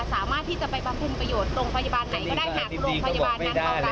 สามารถที่จะไปบำรุงประโยชน์โรงพยาบาลไหนก็ได้หากโรงพยาบาลนั้นเขารับ